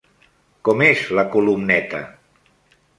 Com és la columneta?